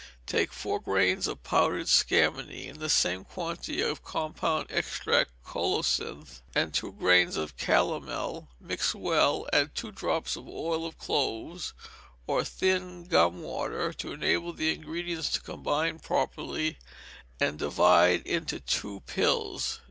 Take four grains of powdered scammony and the same quantity of compound extract of colocynth, and two grains of calomel; mix well, and add two drops of oil of cloves, or thin gum water, to enable the ingredients to combine properly, and divide into two pills.